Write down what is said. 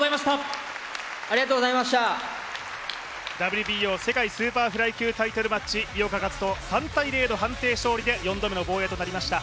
ＷＢＯ世界スーパーフライ級タイトルマッチ、井岡一翔３−０の判定勝利で４度目の防衛となりました。